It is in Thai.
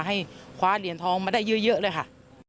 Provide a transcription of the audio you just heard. ให้คว้าเหรียญทองมาได้เยอะเลยค่ะ